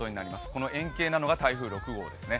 この円形なのが台風６号ですね。